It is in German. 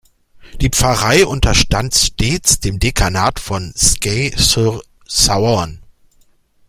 Die Pfarrei unterstand stets dem Dekanat von Scey-sur-Saône.